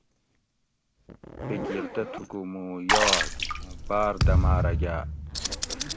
فکیر تہ تھوکو مو یاگ اوں باۤر دماۤرہ گا